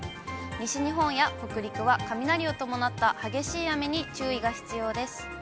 西日本や北陸は雷を伴った激しい雨に注意が必要です。